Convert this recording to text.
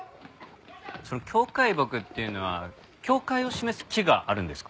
その境界木っていうのは境界を示す木があるんですか？